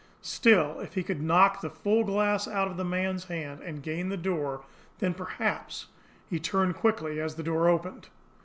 Still, if he could knock the full glass out of that man's hand, and gain the door, then perhaps he turned quickly, as the door opened.